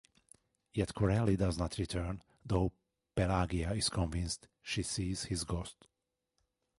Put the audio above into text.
Yet Corelli does not return, though Pelagia is convinced she sees his ghost.